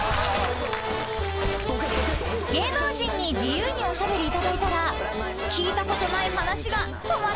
［芸能人に自由におしゃべりいただいたら聞いたことない話が止まらなかった！］